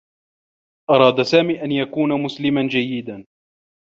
أراد سامي أن يكون مسلما جيّدا.